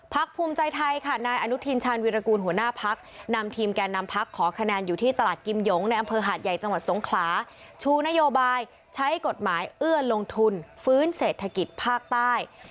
ภูมิใจไทยค่ะนายอนุทินชาญวิรากูลหัวหน้าพักนำทีมแก่นำพักขอคะแนนอยู่ที่ตลาดกิมหยงในอำเภอหาดใหญ่จังหวัดสงขลาชูนโยบายใช้กฎหมายเอื้อลงทุนฟื้นเศรษฐกิจภาคใต้